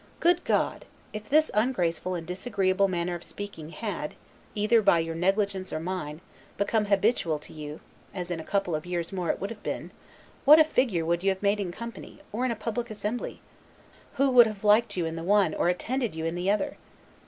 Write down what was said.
Good God! if this ungraceful and disagreeable manner of speaking had, either by your negligence or mine, become habitual to you, as in a couple of years more it would have been, what a figure would you have made in company, or in a public assembly? Who would have liked you in the one or attended you; in the other?